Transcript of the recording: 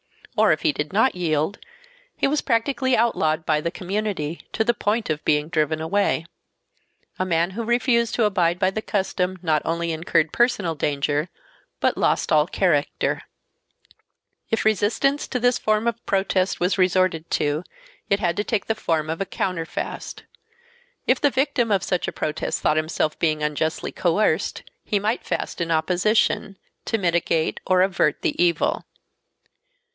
Or if he did not yield, he was practically outlawed by the community, to the point of being driven away. A man who refused to abide by the custom not only incurred personal danger but lost all character. Joyce, A Social History of Ancient Ireland, Vol. I, Chapter VIII. If resistance to this form of protest was resorted to it had to take the form of a counter fast. If the victim of such a protest thought himself being unjustly coerced, he might fast in opposition, "to mitigate or avert the evil."